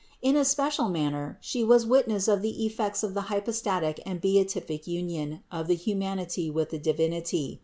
In a special manner She was witness of the effects of the hypostatic and beatific union of the humanity with the Divinity.